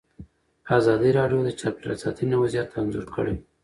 ازادي راډیو د چاپیریال ساتنه وضعیت انځور کړی.